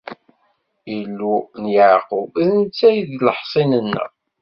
Illu n Yeɛqub, d netta i d leḥṣin-nneɣ.